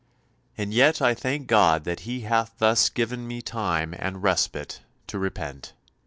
"And yet I thank God that He hath thus given me time and respite to repent.